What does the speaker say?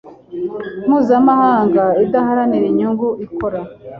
mpuzamahanga idaharanira inyungu ikora